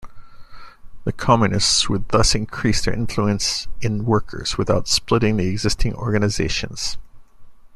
The Communists would thus increase their influence in workers without splitting the existing organisations.